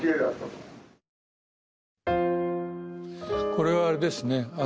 これはあれですね